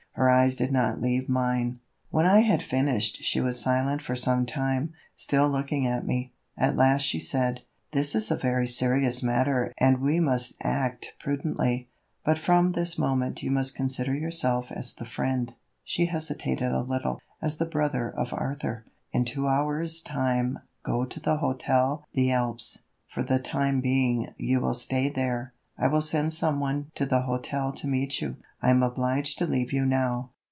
Her eyes did not leave mine. When I had finished she was silent for some time, still looking at me. At last she said: "This is a very serious matter and we must act prudently. But from this moment you must consider yourself as the friend," she hesitated a little, "as the brother of Arthur. In two hours' time go to the Hotel des Alpes; for the time being you will stay there. I will send some one to the hotel to meet you. I am obliged to leave you now."